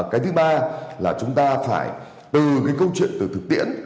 cái thứ ba là chúng ta phải từ cái câu chuyện từ thực tiễn